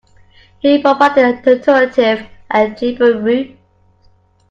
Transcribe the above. It provided an alternative and cheaper route.